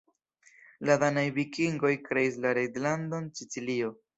La danaj vikingoj kreis la Reĝlandon Sicilio.